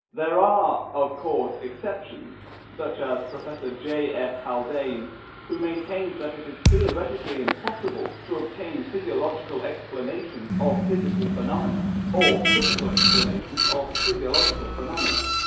There are, of course, exceptions, such as Professor J. S. Haldane,* who maintains that it is theoretically impossible to obtain physiological explanations of psychical phenomena, or physical explanations of physiological phenomena.